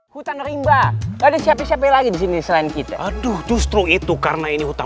hutan rimba ada siapa siapa lagi disini selain kita aduh justru itu karena ini hutan